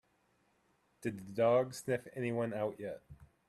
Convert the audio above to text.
Did the dog sniff anyone out yet?